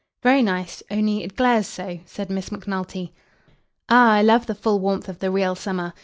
"Very nice, only it glares so," said Miss Macnulty. "Ah, I love the full warmth of the real summer.